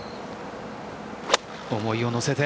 思いを乗せて。